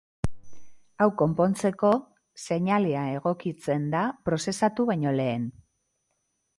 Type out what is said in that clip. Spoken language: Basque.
Hau konpontzeko, seinalea egokitzen da prozesatu baino lehen.